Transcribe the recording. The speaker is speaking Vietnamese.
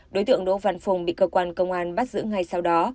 đối tượng đỗ văn phùng bị cơ quan công an bắt giữ ngay sau đó